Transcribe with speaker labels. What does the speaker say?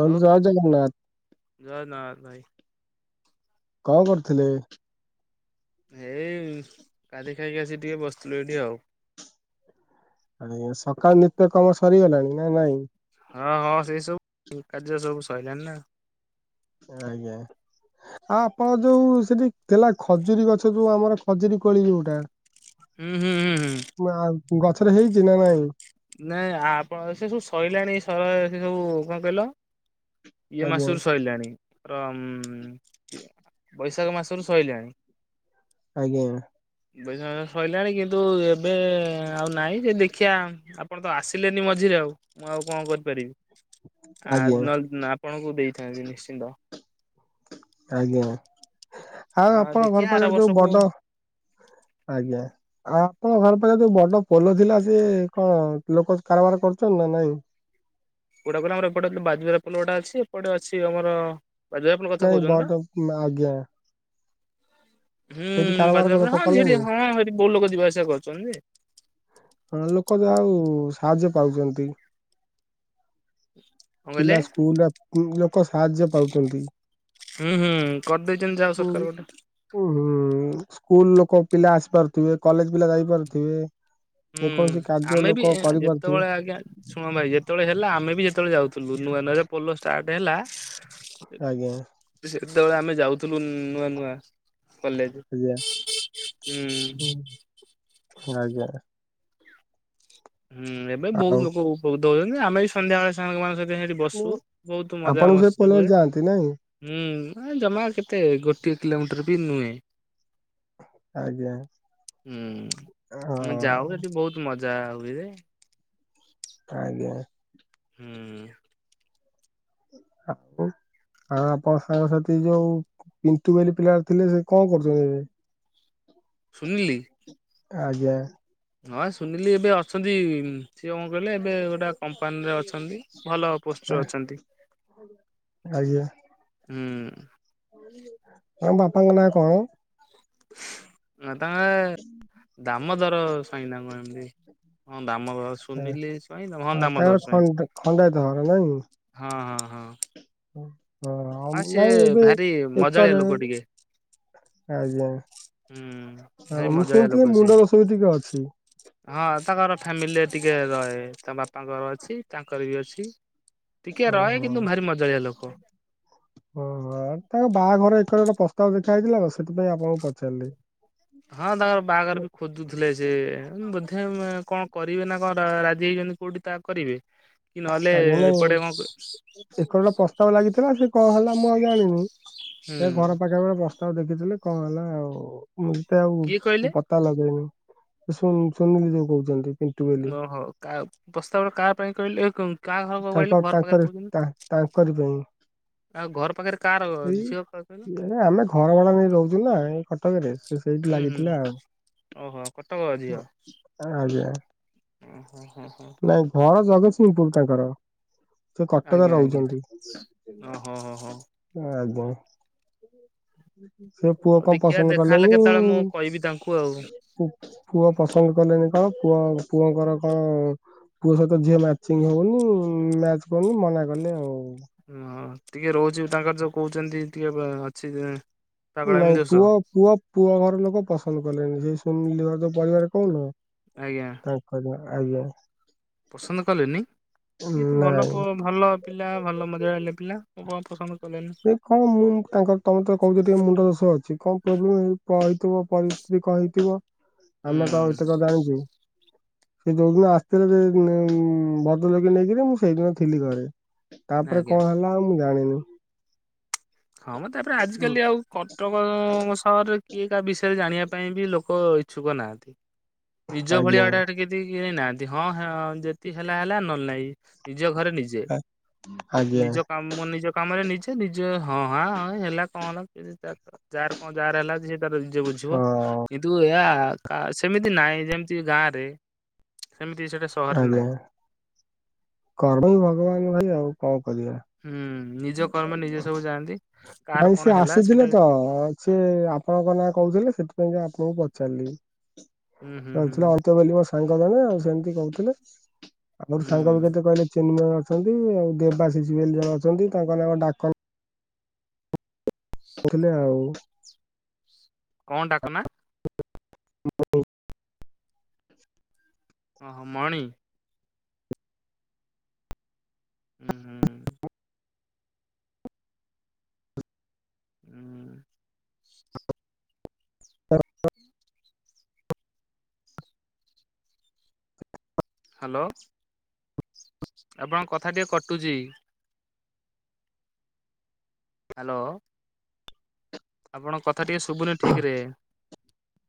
Speaker 1: Hello
Speaker 2: ଜୟ ଜଗନ୍ନାଥ।
Speaker 1: ଜଗନ୍ନାଥ ଭାଇ
Speaker 2: କଣ କରୁଥିଲେ?
Speaker 1: ଏଇ ଗାଧେଇ ଖାଇକି ଆସିକି ଟିକେ ବସିଥିଲୁ ଏଇଠି ଆଉ।
Speaker 2: ଆଜ୍ଞା ସକାଳ ନିତ୍ୟକର୍ମ ସରିଗଲାଣି ନା ନାଇଁ?
Speaker 1: ହଁ ହଁ ସେଇ ସବୁ କାର୍ଯ୍ୟ ସବୁ ସଇଲାଣି ନା।
Speaker 2: ଆଜ୍ଞା। ଆଉ ଆପଣ ଯୋଉ ସେଠି ଥିଲା ଖଜୁରୀ ଗଛ ଯୋଉ ଆମର ଖଜୁରୀ କୋଳି ଯୋଉଟା
Speaker 1: ହୁଁ, ହୁଁ, ହୁଁ, ହୁଁ
Speaker 2: ଆ, ଗଛରେ ହେଇଛି ନା ନାଇଁ?
Speaker 1: ନାଇଁ ଆପଣ ସେ ସବୁ ସଇଲାଣି ସ -ସେଇଯୋଉ କଣ କହିଲ? ଇଏ
Speaker 2: ଆଜ୍ଞା
Speaker 1: ମାସୁର୍ ସଇଲାଣି। ରମ ବୈଶାଖ ମାସରୁ ସଇଲାଣି।
Speaker 2: ଆଜ୍ଞା।
Speaker 1: ବୈଶାଖ ମାସରୁ ସଇଲାଣି କିନ୍ତୁ ଏବେ ଆଉ ନାହିଁ ଯଦି ଦେଖିଆ ଆପଣ ତ ଆସିଲେନି ମଝିରେ ଆଉ ମୁଁ ଆଉ କଣ କରିପାରିବି?
Speaker 2: ଆଜ୍ଞା
Speaker 1: ଆଉ ନହେଲେ ଆପଣଙ୍କୁ ଦେଇଥାନ୍ତି ନିଶ୍ଚିତ।
Speaker 2: ଆଜ୍ଞା। ଆଉ
Speaker 1: ଆ
Speaker 2: ଆପଣଙ୍କ
Speaker 1: ଦେଖିଆ
Speaker 2: ଘର
Speaker 1: ଆର
Speaker 2: ପାଖରେ ଯୋଉ
Speaker 1: ବର୍ଷକୁ
Speaker 2: ବଡ ଆଜ୍ଞା ହଁ। ଆପଣଙ୍କ ଘର ପାଖରେ ଯୋଉ ବଡ ପୋଲ ଥିଲା ସିଏ କଣ ଲୋକ କାର ବାର କରୁଛନ୍ତି ନା ନାଇଁ?
Speaker 1: କୋଉଟା କହିଲ ଆମର ଏପଟେ ବାଜି ରାଉତ ପୋଲଟା ଅଛି ଏପଟେ ଅଛି ଆମର ବାଜି ରାଉତ କଥା ଆପଣ
Speaker 2: ନାଇଁ
Speaker 1: କହୁଛନ୍ତି
Speaker 2: ବଡ
Speaker 1: ପା?
Speaker 2: ଆଜ୍ଞା
Speaker 1: ହୁଁ
Speaker 2: ସେଇଠି କାରବାର
Speaker 1: ବାଜାଜର
Speaker 2: ଲୋକ କଲେଣି?
Speaker 1: ହଁ ବୋହୁତ ଲୋକ ଯିବା ସିଆ କରୁଛନ୍ତି ଯେ
Speaker 2: ହଁ ମୁଁ କହିଲି ଆଉ ସାହାଯ୍ୟ ପାଉଛନ୍ତି କି?
Speaker 1: କଣ କହିଲେ
Speaker 2: ପିଲା ସ୍କୁଲରେ ଖୁବ୍ ଲୋକ ସାହାଯ୍ୟ ପାଉଛନ୍ତି।
Speaker 1: ହୁଁ ହୁଁ କରିଦେଇଛନ୍ତି ଯାହା ହଉ
Speaker 2: ହୁଁ
Speaker 1: ସରକାର ଗୋଟେ
Speaker 2: [unintelligible] ସ୍କୁଲ୍ ଲୋକ ପିଲା ଆସିପାରିଥିବେ। କଲେଜ୍ ପିଲା ଯାଇ ପାରୁଥିବେ।
Speaker 1: ହୁଁ ଆମେ ବି ଏ ଯେତେବେଳେ ଆଜ୍ଞା ଶୁଣ ଭାଈ ଯେତେବେଳେ ହେଲା ଆମେବି ସେତେବେଳେ ଯାଉଥୁଲୁ। ନୂଆ ନୂଆ ଯେତଳେ ପୋଲ ଷ୍ଟାର୍ଟ ହେଲା
Speaker 2: ଆଜ୍ଞା।
Speaker 1: ସେତେବେଳେ ଆମେ ଯାଉ ଥିଲୁ ନୂଆ ନୂଆ କଲେଜ
Speaker 2: ଆଜ୍ଞା।
Speaker 1: ହୁଁ।
Speaker 2: ଆଜ୍ଞା।
Speaker 1: ହୁଁ ଏବେ ବହୁତ
Speaker 2: ଆଉ
Speaker 1: ଲୋକ ଉପକୃତ ହଉଛନ୍ତି। ଆମେ ବି ସନ୍ଧ୍ୟା ବେଳେ ସାଙ୍ଗ ମାନଙ୍କ ସହିତ ଯାଇଙ୍କି ହେଟି ବସୁ ବହୁତ ମଜା
Speaker 2: ଆପଣ ସେ
Speaker 1: ମସ୍ତି
Speaker 2: ପୋଲରେ
Speaker 1: ହୁଏ।
Speaker 2: ଯାଆନ୍ତି ନାଇଁ
Speaker 1: ହୁଁ। ହଁ ଜମା କେତେ ଗୋଟିଏ କିଲୋମିଟର ବି ନୁହେଁ।
Speaker 2: ଆଜ୍ଞା
Speaker 1: ହୁଁ ଆମେ ଯାଉ
Speaker 2: ହଁ
Speaker 1: ହେଟି ବହୁତ ମଜା ଜା ହୁଏ।
Speaker 2: ଆଜ୍ଞା।
Speaker 1: ହୁଁ।
Speaker 2: ଆ ହୋ ହଁ ଆପଣ ସାଙ୍ଗ ସାଥି ହେଇକି ଯାଅ ସେଠି [unintelligible]
Speaker 1: ସୁନିଲି।
Speaker 2: ଆଜ୍ଞା।
Speaker 1: ହଁ ସୁନିଲି ଏବେ ଅଛନ୍ତି ସିଏ କଣ କହିଲେ ଏବେ ଗୋଟେ କମ୍ପାନୀରେ ଅଛନ୍ତି ଭଲ ପୋଷ୍ଟରେ ଅଛନ୍ତି।
Speaker 2: ଆଜ୍ଞା।
Speaker 1: ହୁଁ।
Speaker 2: ତମ ବାପାଙ୍କ ନାଁ କଣ?
Speaker 1: ନା ତାଙ୍କେ ଦାମୋଦର ସ୍ବାଇଁ ନା କଣ ଏମିତି ଦାମୋଦର, ସୁନିଲି ସ୍ୱାଇଁ ହଁ
Speaker 2: ତାଙ୍କର
Speaker 1: ଦାମୋଦର ସ୍ୱାଇଁ,
Speaker 2: ଖଣ୍ଡ ଖଣ୍ଡାୟତ ଘର ନାଇଁ
Speaker 1: ହଁ ହଁ। ହଁ।
Speaker 2: ହଁ ଆଉ
Speaker 1: ସିଏ
Speaker 2: ନାଇଁ ଏବେ
Speaker 1: ଭାରି ମଜାଳିଆ
Speaker 2: ଏକରେ
Speaker 1: ଲୋକ ଟିକେ।
Speaker 2: ଆଜ୍ଞା।
Speaker 1: ହୁଁ ଭାରି
Speaker 2: ହଁ ମୁଁ
Speaker 1: ମଜାଳିଆ
Speaker 2: ଶୁଣିଥିଲି
Speaker 1: ଲୋକ
Speaker 2: ମୁଣ୍ଡ
Speaker 1: ସିଏ
Speaker 2: ଦୋଷ ବି ଟିକେ ଅଛି।
Speaker 1: ହଁ ତାଙ୍କର ଫ୍ୟାମିଲିରେ ଟିକେ ରହେ ତା ବାପାଙ୍କର ଅଛି ତାଙ୍କର ବି ଅଛି। ଟିକେ ରହେ
Speaker 2: ଓହୋ
Speaker 1: କିନ୍ତୁ ଭାରି ମଜାଳିଆ ଲୋକ।
Speaker 2: ଓହୋ ତାଙ୍କ ବାହାଘର ଏକରେ ଗୋଟେ ପ୍ରସ୍ତାବ ଦେଖା ହେଇଥିଲା ତ ସେଥିପାଇଁ ଆପଣଙ୍କୁ ପଚାରିଲି।
Speaker 1: ହଁ ତାଙ୍କର ବାହାଘର ବି ଖୋଜୁଥିଲେ ସେ ବୋଧେ [unintelligible] କଣ କରିବେ ନା କଣ ରାଜି ହେଇଛନ୍ତି କୋଉଠି ତା କରିବେ? କି ନହେଲେ
Speaker 2: ଆଜ୍ଞା ନାଇଁ
Speaker 1: ଏପଟେ କଣ ହୁଁ
Speaker 2: ଏକରଟେ ପ୍ରସ୍ତାବ ଲାଗିଥିଲା ସେ କଣ ହେଲା ମୁଁ ଆଉ ଜାଣିନି। ସେ ଘର ପାଖରେ ଗୋଟେ ପ୍ରସ୍ତାବ ଦେଖିଥିଲେ କଣ ହେଲା ଆଉ ମୁଁ ଏତେ ଆଉ
Speaker 1: କିଏ କହିଲେ?
Speaker 2: ପତା ଲଗେଇନି। ସୁନ ସୁନିଲି ଯୋଉ କହୁଛନ୍ତି। ପିଣ୍ଟୁ ବୋଲି
Speaker 1: ଓହୋ କା ପ୍ରସ୍ତାବ ଟା କାହା ପାଇଁ କହିଲେ କ
Speaker 2: ତାଙ୍କ ତାଙ୍କର ତାଙ୍କରି ପାଇଁ।
Speaker 1: ଆଉ ଘର ପାଖରେ କାର
Speaker 2: ଏଇ
Speaker 1: ଝିଅ କାହାର କହିଲ?
Speaker 2: ଏ ଆମେ ଘର ଭଡ଼ା ନେଇ ରହୁଛୁ ନା ଏଇ କଟକରେ ସେଇଠି
Speaker 1: ହୁଁ ହୁଁ
Speaker 2: ଲାଗିଥିଲା ଆଉ।
Speaker 1: ଓହୋ କଟକ ଝିଅ।
Speaker 2: ଆଜ୍ଞା।
Speaker 1: ଓ ହୋ ହ ହୋ।
Speaker 2: ନାଇଁ ଘର ଜଗତସିଂହପୁର ତାଙ୍କର। ସେ କଟକରେ
Speaker 1: ଆଜ୍ଞା ଆଜ୍ଞା
Speaker 2: ରହୁଛନ୍ତି।
Speaker 1: ଓ ହୋ ହୋ ହୋ।
Speaker 2: [unintelligible] ସେ ପୁଅ
Speaker 1: ହଉ
Speaker 2: କଣ
Speaker 1: ଦେଖିବା
Speaker 2: ପସନ୍ଦ
Speaker 1: ଦେଖାହେଲେ
Speaker 2: କଲେନି।
Speaker 1: କେତେବେଳେ ମୁଁ କହିବି ତାଙ୍କୁ ଆଉ।
Speaker 2: ପୁଅ ପସନ୍ଦ କଣ କଲେନି କଣ। ପୁଅ ପୁଅଙ୍କର କଣ ପୁଅ ସହିତ ଝିଅ ମ୍ୟାଚି ମଙ୍ଗୁନି ମ୍ୟାଚ କରୁନି ମନା କଲେ ଆଉ।
Speaker 1: ହଁ ଟିକେ ରହୁଛି ତାଙ୍କର ଯୋଉ କହୁଛନ୍ତି ଟିକେ ବ ଟିକେ ଅଛି ପାଗଳାମି
Speaker 2: ନାଇଁ
Speaker 1: ଦୋଷ
Speaker 2: ପୁଅ ପୁଅ ପୁଅ ଘର ଲୋକ ପସନ୍ଦ କଲେଣିି। ସେ ସୁନିଲି ଘର ତ ପରିବାର କହୁନ।
Speaker 1: ଆଜ୍ଞା
Speaker 2: ତାଙ୍କରି ଆଜ୍ଞା।
Speaker 1: ପସନ୍ଦ କଲେନି ଇଏ ତ ଭଲ
Speaker 2: ନାଇଁ
Speaker 1: ପ ଭଲ ପିଲା ଭଲ ମଜା ଲାଗିଲା ପିଲା କଣ ପସନ୍ଦ କ
Speaker 2: ସେ କଣ ମୁଁ ତାଙ୍କର ତମେ ତ କହୁଛ ଟିକେ ମୁଣ୍ଡ ଦୋଷ ଅଛି। କଣ ପ୍ରୋବ୍ଲେମ ହେଇଚି କଣ ହେଇ ଥିବ ପରିସ୍ଥିତି କଣ ହେଇଥିବ ଆମେ ତ
Speaker 1: ହୁଁ
Speaker 2: ଏତକ ଜାଣିଚେ କି। ସେ ଯୋଉଦିନ ଆସିଥିଲେ ଭଦ୍ର ଲୋକି ନେଇକିରି ମୁଁ ସେଇଦିନ ଥିଲି ଘରେ। ତାପରେ
Speaker 1: ଆଜ୍ଞା।
Speaker 2: କଣ ହେଲା ଆଉ ମୁଁ ଜାଣିନି।
Speaker 1: ହଁ ମ ତାପରେ ଆଜିିକାଲି ଆଉ କଟକ ସହରରେ କିଏ କାହା ବିଷୟରେ ଜାଣିବା ପାଇଁ ବି ଲୋକ ଇଚ୍ଛୁକ ନାହାଁନ୍ତି। ନିଜ
Speaker 2: ଆଜ୍ଞା
Speaker 1: ଭଳିଆଡେ [unintelligible] ନାହାନ୍ତି। ହଁ ଯେତିି ହେଲା ହେଲା ନହେଲେ ନାଇଁ। ନିଜ ଘରେ ନିଜେ।
Speaker 2: ଆଜ୍ଞା
Speaker 1: ନିଜ କାମ ନିଜ କାମରେ ନିଜେ ନିଜେ ହଁ ହା ହେଲା କଣ ହେଲା ଯା କଣ ଯାହାର ହେଲା ଯିଏ ନିଜେ ବୁଝିବ
Speaker 2: ହଁ।
Speaker 1: କିନ୍ତୁ ଏହା ସେମିତି ନାହିଁ ଯେମିତି ଗାଁରେ ସେମିତି ସେଇଟା ସହରରେ
Speaker 2: ଆଜ୍ଞା
Speaker 1: ନାହିଁ।
Speaker 2: କର୍ମ ହିଁ ଭଗବାନ ଭାଇ ଆଉ କଣ କରିବା।
Speaker 1: ହୁଁ ନିଜ କର୍ମରେ ନିଜେ ସବୁ ଯାଆନ୍ତି। କାହାର
Speaker 2: ନାଇଁ ସିଏ
Speaker 1: କଣ ହେଲା
Speaker 2: ଆସିଥିଲେ
Speaker 1: ସେଇଟା
Speaker 2: ତ। ସିଏ ଆପଣଙ୍କ ନାଁ କହୁଥିଲେ ସେଥିପାଇଁ ଆପାଣ ଙ୍କୁ ପଚାରିଲି।
Speaker 1: ହୁଁ ହୁଁ
Speaker 2: [inaudible]
Speaker 1: ହୁଁ
Speaker 2: ଯାଉଥିଲାତ ବୋଲି ମୋ ସାଙ୍ଗ ଜଣେ ଆଉ ସେମତି କହୁଥିଲେ। ଆହୁରି ସାଙ୍ଗ ବି
Speaker 1: ହୁଁ
Speaker 2: କେତେ କହିଲେ ଚିନ୍ମୟ ଅଛନ୍ତି ଆଉ ଦେବାଶିଷ ବୋଲି ଜଣେ ଅଛନ୍ତି। ତାଙ୍କ ନାଁ ଡାକ ନାଁ କହୁଥିଲେ ଆଉ।
Speaker 1: କଣ ଡାକ ନା?
Speaker 2: [unintelligible]
Speaker 1: ହଁ ମଣି। ହୁଁ ହୁଁ।
Speaker 2: [inaudible]
Speaker 1: ହୁଁ।
Speaker 2: [unintelligible]
Speaker 1: ହ୍ୟାଲୋ। ଆପଣଙ୍କ କଥା ଟିକେ କଟୁଚି। ହ୍ୟାଲୋ। ଆପଣଙ୍କ କଥା ଟିକେ ଶୁଭୁନି ଠିକ ରେ।